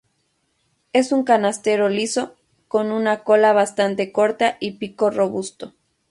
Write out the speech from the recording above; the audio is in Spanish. Es un canastero liso, con una cola bastante corta y pico robusto.